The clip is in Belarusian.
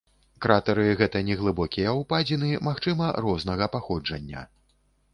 Кратары гэта неглыбокія ўпадзіны, магчыма, рознага паходжання.